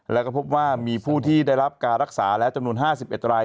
แล้วก็พบว่ามีผู้ที่ได้รับการรักษาแล้วจำนวน๕๑ราย